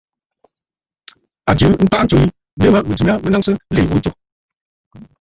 A jɨ ntwaʼa ntsǔ yi, ǹdɨʼɨ nɨ mə mɨ̀jɨ mya naŋsə nlìì ghu ntsù.